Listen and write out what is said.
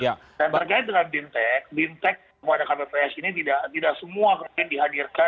dan berkaitan dengan bintek bintek bintek dan kpps ini tidak semua kemudian dihadirkan